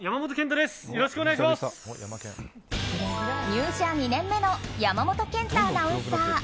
入社２年目の山本賢太アナウンサー。